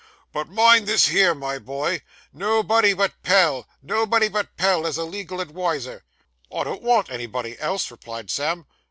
But mind this here, my boy, nobody but Pell nobody but Pell as a legal adwiser.' 'I don't want anybody else,' replied Sam.